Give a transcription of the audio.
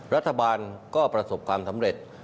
รัฐบาลก็ประสบความสำเร็จ